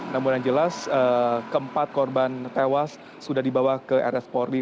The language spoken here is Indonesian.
namun yang jelas keempat korban tewas sudah dibawa ke rs polri